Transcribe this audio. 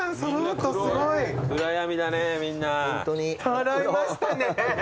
揃いましたね。